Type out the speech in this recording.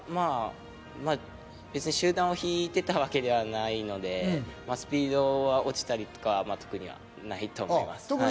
別に集団を引いていたわけではないのでスピードは落ちたりとか、特にはないと思います。